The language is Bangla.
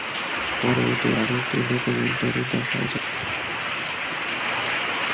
পরে এটি আরেকটি ডকুমেন্টারী দেখায় যেখানে এই দাবির প্রমাণ রয়েছে।